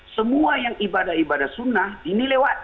semua yang ibadah ibadah sunnah ini lewat